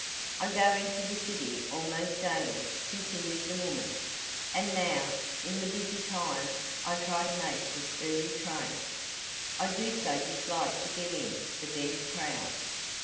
"I go into the city almost daily," continued the woman, "and now, in the busy time, I try to make this early train. I do so dislike to get in the dense crowd."